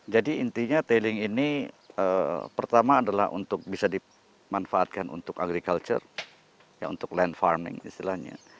jadi intinya tailing ini pertama adalah untuk bisa dimanfaatkan untuk agriculture ya untuk land farming istilahnya